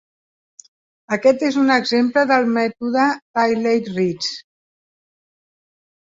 Aquest és un exemple del mètode Rayleigh-Ritz.